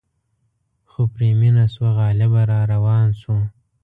خو پرې مینه شوه غالبه را روان شو.